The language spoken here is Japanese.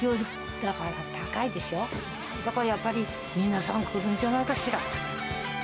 だからやっぱり、皆さん来るんじゃないかしら。